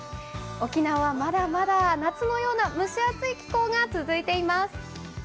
沖縄はまだまだ夏のような蒸し暑い気候が続いています。